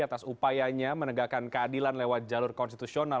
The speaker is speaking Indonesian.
atas upayanya menegakkan keadilan lewat jalur konstitusional